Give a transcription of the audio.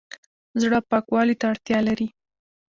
زړه پاکوالي ته اړتیا لري